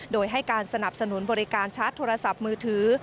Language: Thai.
โดยให้การสนับสนุนบริการชาร์จโทรศัพท์มือถือ